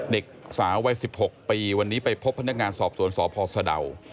เด็กสาววัย๑๖ปีวันนี้ไปพบพนักงานสอบสวนสพสะดาว